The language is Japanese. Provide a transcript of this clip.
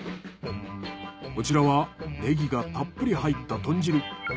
こちらはネギがたっぷり入った豚汁。